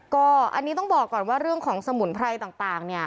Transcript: ก็อันนี้ต้องบอกก่อนว่าเรื่องของสมุนไพรต่างเนี่ย